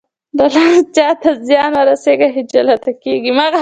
له لاسه چاته زيان ورسېږي خجالته کېږي.